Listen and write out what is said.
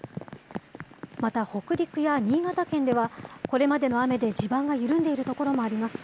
また北陸や新潟県では、これまでの雨で地盤が緩んでいる所もあります。